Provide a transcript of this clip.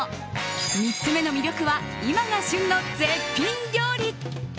３つ目の魅力は今が旬の絶品料理。